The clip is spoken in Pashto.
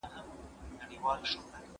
زه پرون مڼې وخوړله